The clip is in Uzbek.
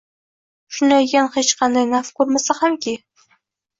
Shunday ekan, hech qanday naf ko‘rmasa hamki